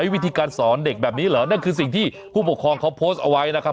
วิธีการสอนเด็กแบบนี้เหรอนั่นคือสิ่งที่ผู้ปกครองเขาโพสต์เอาไว้นะครับ